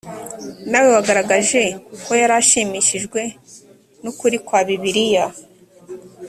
na we wagaragaje ko yari ashimishijwe n ukuri kwa bibiliya